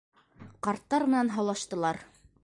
Ҡарттар менән һаулаштылар.